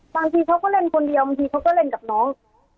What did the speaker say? บางทีเขาก็เล่นคนเดียวบางทีเขาก็เล่นกับน้อง